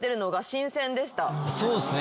そうっすね